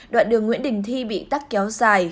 đoạn đường nguyễn đình thi bị tắc kéo dài